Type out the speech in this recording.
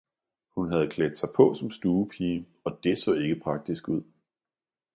Hun havde klædt sig på som stuepige - og det så ikke praktisk ud.